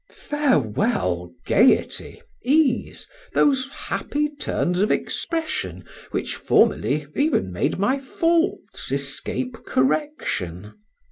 Farewell gayety, ease, those happy turns of expressions, which formerly even made my faults escape correction.